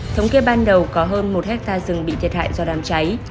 thống kê ban đầu có hơn một hectare rừng bị thiệt hại do đám cháy